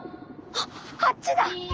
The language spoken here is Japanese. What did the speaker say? あっあっちだ！